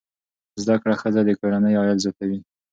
زده کړه ښځه د کورنۍ عاید زیاتوي.